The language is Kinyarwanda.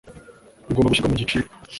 bigomba gushyirwa mu giciro